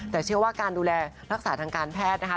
แต่เชื่อว่าการดูแลรักษาทางการแพทย์นะคะ